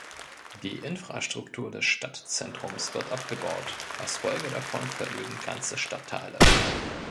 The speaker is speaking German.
Die Infrastruktur des Stadtzentrums wird abgebaut, als Folge davon veröden ganze Stadtteile.